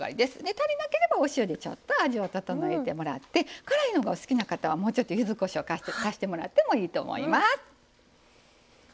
足りなければお塩でちょっと味を調えてもらって辛いのがお好きな方はもうちょっとゆずこしょう足してもらってもいいと思います。